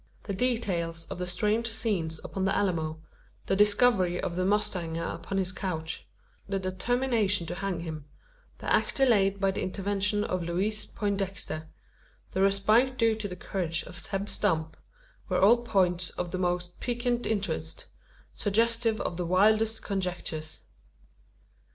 The details of the strange scenes upon the Alamo the discovery of the mustanger upon his couch the determination to hang him the act delayed by the intervention of Louise Poindexter the respite due to the courage of Zeb Stump were all points of the most piquant interest suggestive of the wildest conjectures.